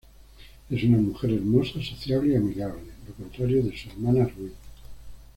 Es una mujer hermosa, sociable y amigable, lo contrario de su hermana Rui.